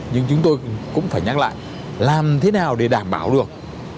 nhưng chúng tôi cũng phải nhắc lại làm thế nào để đảm bảo được